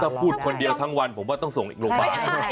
ถ้าพูดคนเดียวทั้งวันผมว่าต้องส่งอีกโรงพยาบาล